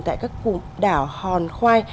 tại các cụm đảo hòn khoai